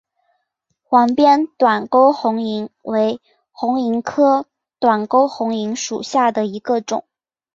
黄边短沟红萤为红萤科短沟红萤属下的一个种。